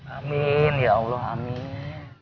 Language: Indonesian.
amin ya allah amin